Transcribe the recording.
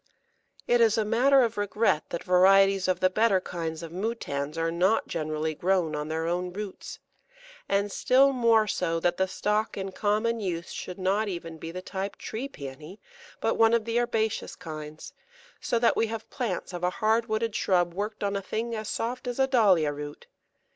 ] It is a matter of regret that varieties of the better kinds of Moutans are not generally grown on their own roots, and still more so that the stock in common use should not even be the type Tree Pæony, but one of the herbaceous kinds, so that we have plants of a hard wooded shrub worked on a thing as soft as a Dahlia root.